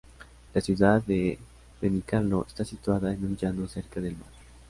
La ciudad de Benicarló está situada en un llano cerca del mar.